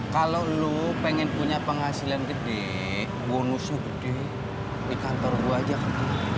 kalau lo pengen punya penghasilan gede bonusnya gede di kantor gue aja kak